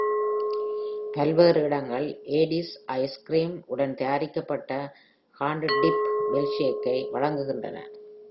பல்வேறு இடங்கள் ஏடிஸ் ஐஸ் கிரீம் உடன் தயாரிக்கப்பட்ட ஹாண்டு டிப்டு மில்க்ஷேக்கை வழங்குகின்றன.